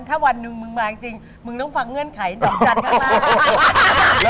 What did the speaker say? ถ้าวันหนึ่งมึงมาจริงมึงต้องฟังเงื่อนไขดอกจันทร์มาก